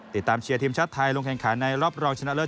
เชียร์ทีมชาติไทยลงแข่งขันในรอบรองชนะเลิศ